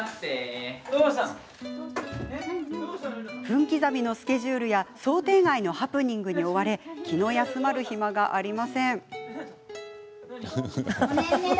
分刻みのスケジュールや想定外のハプニングに追われ気の休まる暇がありません。